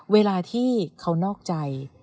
เวลาที่เขานอกใจ